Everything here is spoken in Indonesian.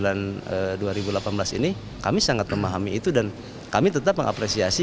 yang terkait dengan adanya pp empat puluh sembilan dua ribu delapan belas ini kami sangat memahami itu dan kami tetap mengapresiasi